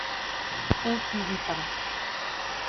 Es vivípara.